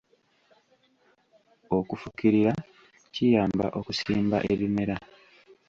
Okufukirira kiyamba okusimba ebimera.